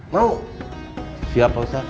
belum siap ngerti